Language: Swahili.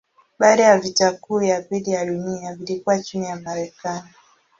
Baada ya vita kuu ya pili ya dunia vilikuwa chini ya Marekani.